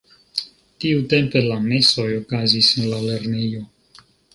Tiutempe la mesoj okazis en la lernejo.